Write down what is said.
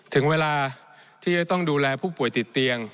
ถึงเวลาที่จะต้องดูแลผู้ป่วยติดเตียง